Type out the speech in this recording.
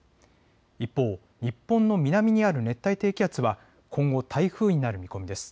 一方、日本の南にある熱帯低気圧は今後、台風になる見込みです。